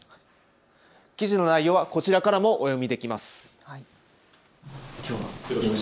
記事の内容はこちらからもお読みできます。